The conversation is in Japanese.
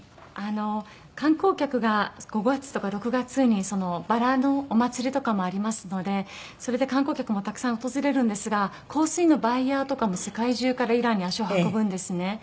観光客が５月とか６月にバラのお祭りとかもありますのでそれで観光客もたくさん訪れるんですが香水のバイヤーとかも世界中からイランに足を運ぶんですね。